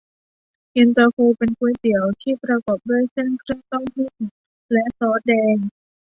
เย็นตาโฟเป็นก๋วยเตี๋ยวที่ประกอบด้วยเส้น เครื่องเต้าหู้ และซอสแดง